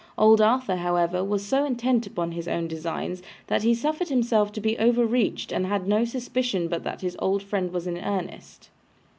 Old Arthur, however, was so intent upon his own designs, that he suffered himself to be overreached, and had no suspicion but that his good friend was in earnest.